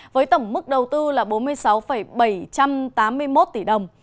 với tổng mức đầu tư là bốn mươi sáu bảy trăm tám mươi một tỷ đồng